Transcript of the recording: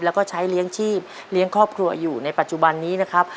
แล้วก็ใช้เลี้ยงชีพเลี้ยงครอบครัวอยู่ในปัจจุบันนี้นะครับ